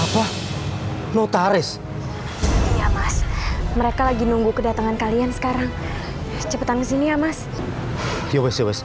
patshah salahedikm fiyo